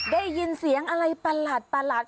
ได้ยินเสียงอะไรประหลาด